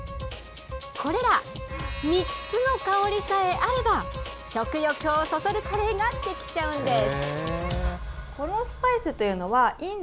これら３つの香りさえあれば食欲をそそるカレーができちゃうんです。